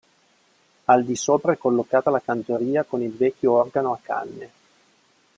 Al di sopra è collocata la cantoria con il vecchio organo a canne.